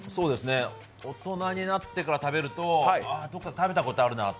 大人になってから食べると、ああ、どこかで食べたことがあるかなと。